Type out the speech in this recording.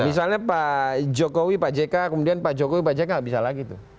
misalnya pak jokowi pak jk kemudian pak jokowi pak jk nggak bisa lagi tuh